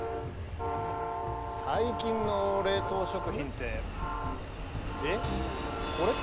◆最近の冷凍食品って、えっ？